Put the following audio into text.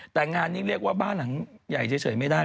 แต่งานนี้เรียกว่าบ้านหลังใหญ่เฉยไม่ได้